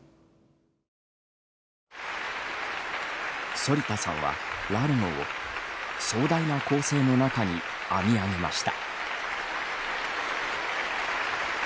反田さんは「ラルゴ」を壮大な構成の中に編み上げました。